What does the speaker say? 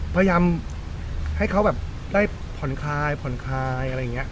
ประจำให้เขาแบบได้ผ่อนคลายผ่อนคลายอะไรอย่างเงี้ยครับ